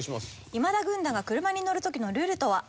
今田軍団が車に乗る時のルールとは？